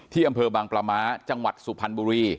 ที่อำเภอบางประมศจังหวัดสุพรรณบุรี